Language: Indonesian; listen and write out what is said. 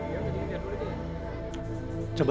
tidak ada apa apa